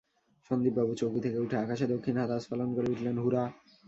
সন্দীপবাবু চৌকি থেকে উঠে আকাশে দক্ষিণ হাত আস্ফালন করে উঠলেন, হুরা!